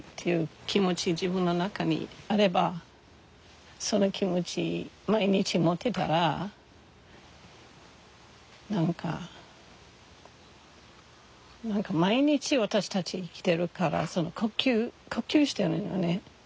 自分の中にあればその気持ち毎日持ってたら何か何か毎日私たち生きてるから呼吸してるよね。